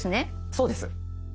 そうです。